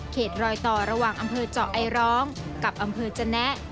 รอยต่อระหว่างอำเภอเจาะไอร้องกับอำเภอจนะ